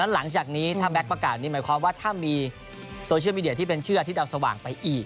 หลังจากนี้ถ้าแก๊กประกาศนี่หมายความว่าถ้ามีโซเชียลมีเดียที่เป็นชื่ออาทิตย์ดาวสว่างไปอีก